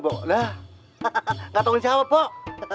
gak tanggung jawab pok